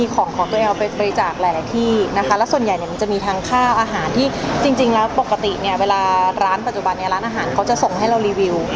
ของของตัวเองเอาไปบริจาคหลายที่นะคะแล้วส่วนใหญ่เนี่ยมันจะมีทั้งค่าอาหารที่จริงแล้วปกติเนี่ยเวลาร้านปัจจุบันเนี่ยร้านอาหารเขาจะส่งให้เรารีวิว